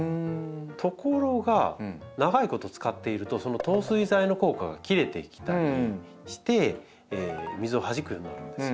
ところが長いこと使っているとその透水剤の効果が切れてきたりして水をはじくようになるんですよ。